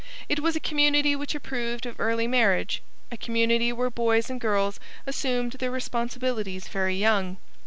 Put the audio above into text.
It was a community which approved of early marriage a community where boys and girls assumed their responsibilities very young.